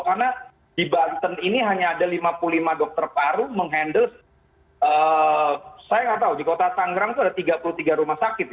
karena di banten ini hanya ada lima puluh lima dokter paru menghandle saya nggak tahu di kota tanggerang itu ada tiga puluh tiga rumah sakit